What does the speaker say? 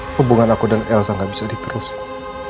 hubungan aku dan elsa gak bisa diterusin